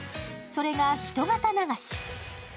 それが人形流し。